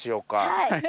はい。